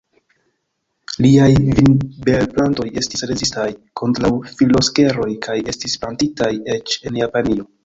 Liaj vinberplantoj estis rezistaj kontraŭ filokseroj kaj estis plantitaj eĉ en Japanio.